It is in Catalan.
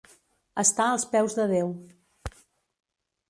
Estar als peus de Déu.